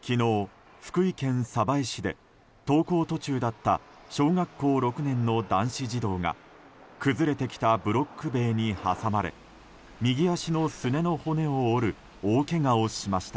昨日、福井県鯖江市で登校途中だった小学校６年の男子児童が崩れてきたブロック塀に挟まれ右足のすねの骨を折る大けがをしました。